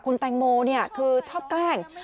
คุณแตงโมคือชอบแกล้ง